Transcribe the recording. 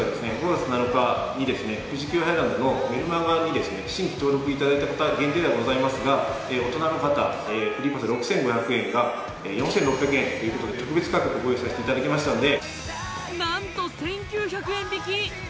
５月７日にですね富士急ハイランドのメルマガにですね新規登録していただいた方限定ではございますが大人の方フリーパス６５００円が４６００円ということで特別価格ご用意させていただきましたんで何と１９００円引き！